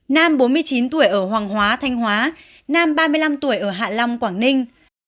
nam bốn mươi chín tuổi ở hoàng hóa thanh hóa nam ba mươi năm tuổi ở hạ long quảng ninh